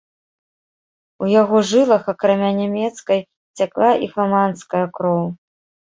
У яго жылах, акрамя нямецкай, цякла і фламандская кроў.